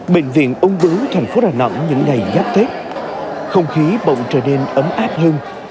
bệnh viện úng bướu thành phố đà nẵng những ngày giáp tết không khí bộng trời đen ấm áp hơn